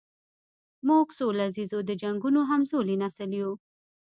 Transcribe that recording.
موږ د څو لسیزو د جنګونو همزولی نسل یو.